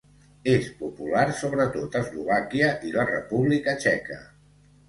És popular sobretot a Eslovàquia i la República Txeca.